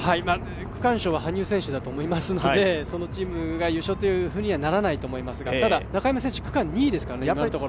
区間賞は羽生選手だと思いますので、そのチームが優勝とはならないと思いますが、ただ、中山選手区間２位ですから、今のところ。